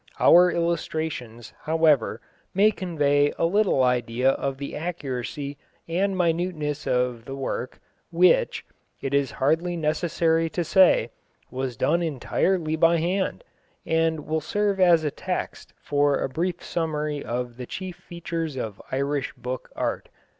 Our illustrations, however, may convey a little idea of the accuracy and minuteness of the work, which, it is hardly necessary to say, was done entirely by hand, and will serve as a text for a brief summary of the chief features of Irish book art.